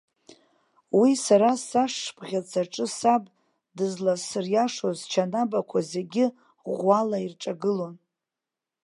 Уи сара сашшыбӷьыц аҿы саб дызласыриашоз счанабақәа зегьы ӷәӷәала ирҿагылон.